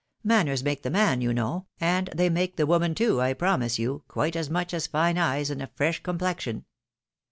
' Man ners make the man,' you know, and they make the woman too, I promise you, quite as much as fine eyes and a fresh com plexion.